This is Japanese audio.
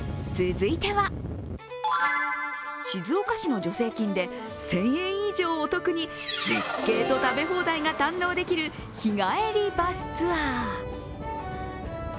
続いては、静岡市の助成金で１０００円以上お得に絶景と食べ放題が堪能できる日帰りバスツアー。